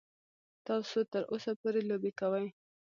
تاسو تر اوسه پورې لوبې کوئ.